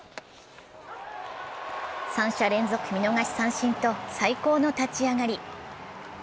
三者連続見逃し三振と最高の立ち上がり。